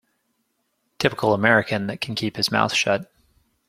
Typical American that can keep his mouth shut.